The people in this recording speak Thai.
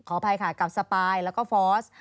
ขออภัยกับสปายและก็ฟอส